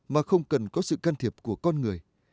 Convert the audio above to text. mà không cần có sự can thiệp của con người